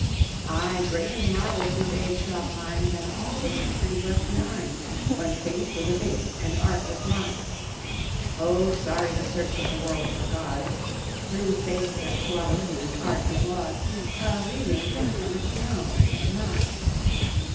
Ay, greater the marvels this age shall find Than all the centuries left behind, When faith was a bigot and art was blind. Oh, sorry the search of the world for gods, Through faith that slaughters and art that lauds, While reason sits on its throne and nods.